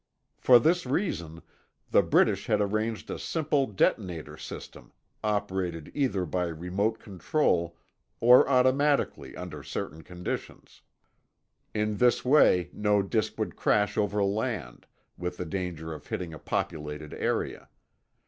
For this reason, the British had arranged a simple detonator system, operated either by remote control or automatically under certain conditions. In this way, no disk would crash over land, with the danger of hitting a populated area.